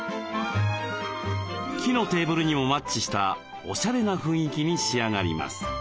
木のテーブルにもマッチしたおしゃれな雰囲気に仕上がります。